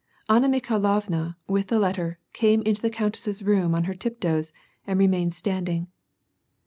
Anna Mikhailovna, with the letter, came into the countess's room on her tiptoes and re mained standing.